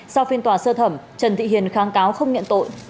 sau phiên tòa sơ thẩm trần thị hiền kháng cáo không nhận tội